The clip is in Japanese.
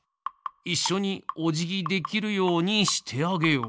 いっしょにおじぎできるようにしてあげよう。